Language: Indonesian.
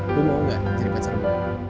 lu mau gak jadi pacar gue